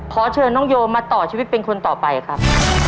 ขอเชิญน้องโยมาต่อชีวิตเป็นคนต่อไปครับ